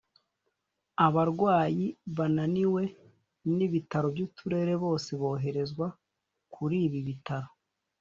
Abarwayi bananiwe n’ibitaro by’uturere bose boherezwa kuri ibi bitaro